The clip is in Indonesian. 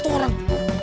kau mah itu orang